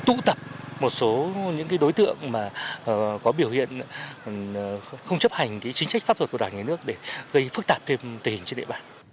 tụ tập một số những đối tượng có biểu hiện không chấp hành chính trách pháp luật của đảng nhà nước để gây phức tạp thêm tình hình trên địa bàn